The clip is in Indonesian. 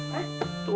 tuaan dia dong